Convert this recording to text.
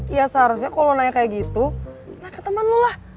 iya seharusnya kalo nona kayak gitu nanya ke temen lo lah